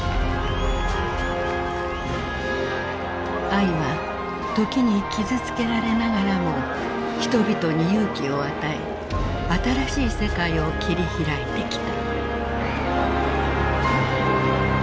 愛は時に傷つけられながらも人々に勇気を与え新しい世界を切り開いてきた。